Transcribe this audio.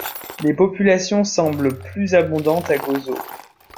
Les populations semblent plus abondantes à Gozo.